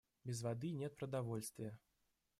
Без воды нет продовольствия.